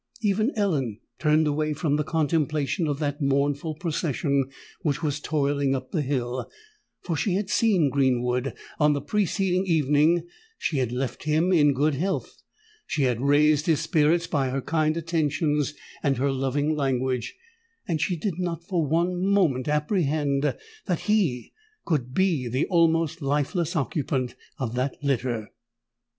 Even Ellen turned away from the contemplation of that mournful procession which was toiling up the hill;—for she had seen Greenwood on the preceding evening—she had left him in good health—she had raised his spirits by her kind attentions and her loving language—and she did not for one moment apprehend that he could be the almost lifeless occupant of that litter!